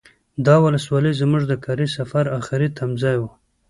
دا ولسوالي زمونږ د کاري سفر اخري تمځای و.